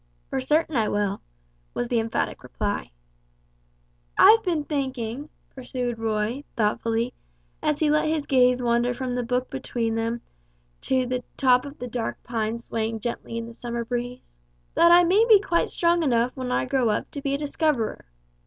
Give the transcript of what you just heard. "For certain I will," was the emphatic reply. "I've been thinking," pursued Roy, thoughtfully, as he let his gaze wander from the book between them to the top of the dark pines swaying gently in the summer breeze; "that I may be quite strong enough when I grow up to be a discoverer.